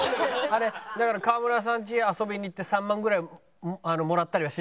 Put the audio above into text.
あれだから河村さんち遊びに行って３万ぐらいもらったりはしないだろ？